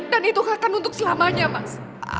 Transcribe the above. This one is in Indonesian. dan itu akan untuk selamanya mas